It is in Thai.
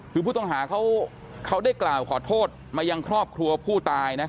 คือผู้ต้องหาเขาได้กล่าวขอโทษมายังครอบครัวผู้ตายนะ